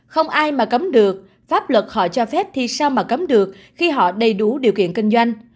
không ai mà cấm được pháp luật họ cho phép thì sao mà cấm được khi họ đầy đủ điều kiện kinh doanh